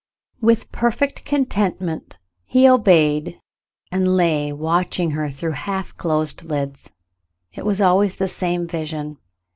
With perfect contentment he obeyed, and lay w^atching her through half closed lids. It was always the same vision.